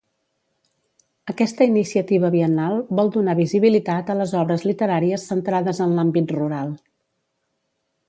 Aquesta iniciativa biennal vol donar visibilitat a les obres literàries centrades en l'àmbit rural.